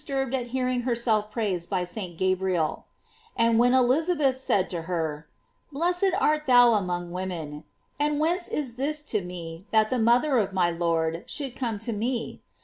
fcurbed at hearing herself praised by St. Gabriel And when St. Elizabeth said to her, "Blessed art thou among women ... and whence is this to me, that the mother of my Lord should come to me